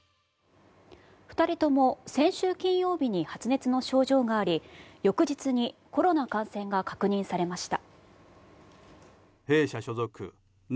２人とも先週金曜日に発熱の症状があり翌日にコロナ感染が確認されました。